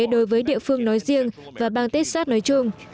đối với địa phương nói riêng và bang texas nói chung